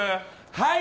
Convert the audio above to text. はい！